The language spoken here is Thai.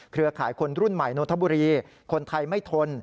ขายคนรุ่นใหม่นนทบุรีคนไทยไม่ทน